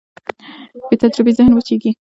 بېتجربې ذهن وچېږي.